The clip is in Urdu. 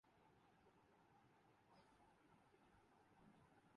حقائق کو توڑ مروڑ کر پیش کرنا شاید بی بی سی سے زیادہ کوئی نہیں جانتا